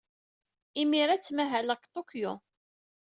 Imir-a, ttmahaleɣ deg Tokyo.